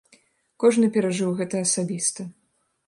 Кожны перажыў гэта асабіста.